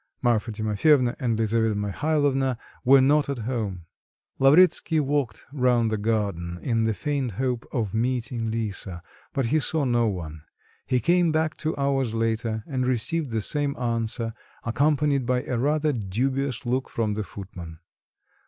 Marfa Timofyevna and Lisaveta Mihalovna were not at home. Lavretsky walked round the garden in the faint hope of meeting Lisa, but he saw no one. He came back two hours later and received the same answer, accompanied by a rather dubious look from the footman.